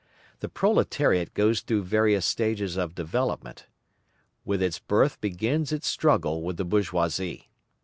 The proletariat goes through various stages of development. With its birth begins its struggle with the bourgeoisie.